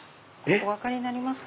お分かりになりますか？